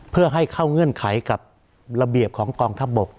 เพื่อให้เข้าเงื่อนไขกับระเบียบของกองทัพบก